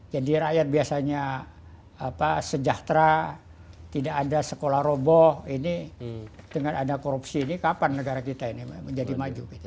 jadi rakyat biasanya apa sejahtera tidak ada sekolah roboh ini dengan ada korupsi ini kapan negara kita ini menjadi maju gitu